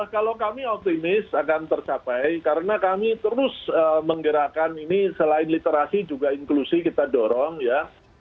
kalau kami optimis akan tercapai karena kami terus menggerakkan ini selain literasi juga inklusi kita dorong ya